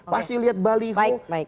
pasti liat balik kok